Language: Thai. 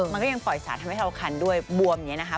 มันก็ยังปล่อยสารทำให้เราคันด้วยบวมอย่างนี้นะคะ